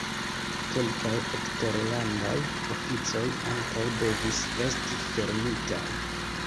Kelkaj eksterlandaj oficoj ankaŭ devis esti fermitaj.